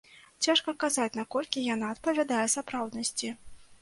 Цяжка казаць, наколькі яна адпавядае сапраўднасці.